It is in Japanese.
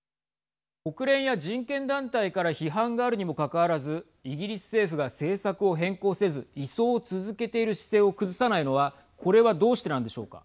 国連や人権団体から批判があるにもかかわらずイギリス政府が政策を変更せず移送を続けている姿勢を崩さないのはこれはどうしてなんでしょうか。